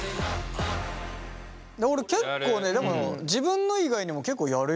俺結構ねでも自分の以外にも結構やるよ。